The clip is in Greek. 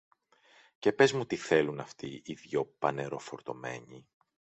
και πες μου τι θέλουν αυτοί οι δυο πανεροφορτωμένοι.